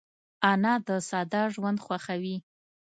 انا د ساده ژوند خوښوي